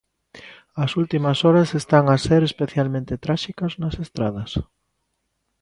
As últimas horas están a ser especialmente tráxicas nas estradas.